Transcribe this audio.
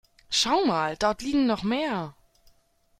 Schau mal, dort liegen noch mehr.